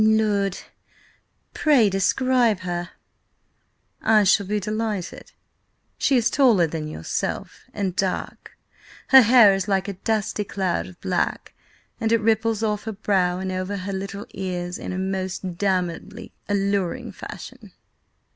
"Lud! Pray, describe her." "I shall be delighted. She is taller than yourself, and dark. Her hair is like a dusky cloud of black, and it ripples off her brow and over her little ears in a most damnably alluring fashion.